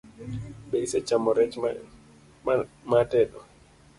Be ise chamo rech maatedo?